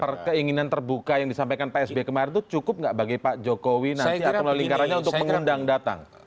perkeinginan terbuka yang disampaikan pak sby kemarin itu cukup nggak bagi pak jokowi nanti atau melalui lingkarannya untuk mengundang datang